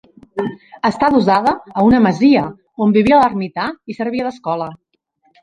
Està adossada a una masia on vivia l'ermità i servia d'escola.